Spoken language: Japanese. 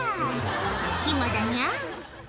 「暇だニャ」